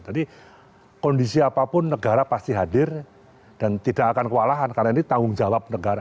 jadi kondisi apapun negara pasti hadir dan tidak akan kewalahan karena ini tanggung jawab negara